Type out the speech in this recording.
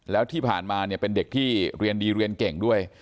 แล้วที่ผ่านมาเนี่ยเป็นเด็กที่เรียนดีเรียนเก่งด้วย